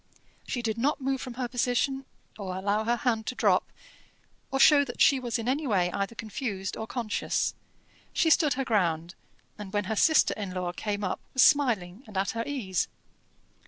She did not move from her position, or allow her hand to drop, or show that she was in any way either confused or conscious. She stood her ground, and when her sister in law came up was smiling and at her ease.